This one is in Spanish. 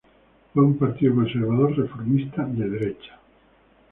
Fue un partido conservador reformista de derecha.